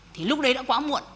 thì lúc đấy đã quá muộn